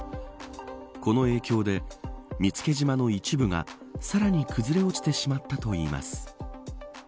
この影響で見附島の一部がさらに崩れ落ちてしまったといいます。